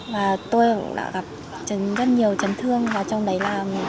và tôi cũng đã gặp rất nhiều chấn thương và trong đấy là